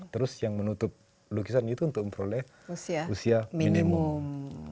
terus yang menutup lukisan itu untuk memperoleh usia minimum